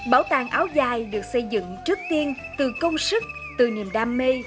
bảo tàng áo dài được xây dựng trước tiên từ công sức từ niềm đam mê